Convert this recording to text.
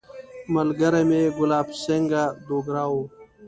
ملګری مې ګلاب سینګهه دوګرا وو.